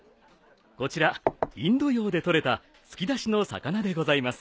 こちらインド洋で取れた突き出しの魚でございます。